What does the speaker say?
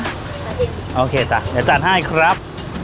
ชาดดิบโอเคจ๋าเดี๋ยวจัดให้ครับ